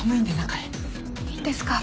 いいんですか？